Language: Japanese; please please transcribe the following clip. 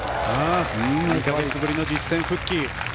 ２か月ぶりの実戦復帰。